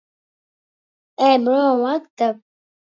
Vai tad bija tik grūti?